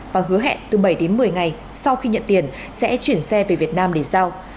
và hứa hẹn từ bảy đến một mươi ngày sau khi nhận tiền sẽ chuyển xe về việt nam để giao